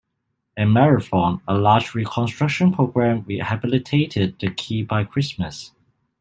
In Marathon, a large reconstruction program rehabilitated the key by Christmas.